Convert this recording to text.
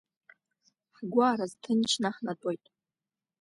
Ҳгәы аарызҭынчны ҳнатәоит…